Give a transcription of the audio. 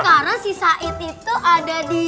sekarang si sait itu ada di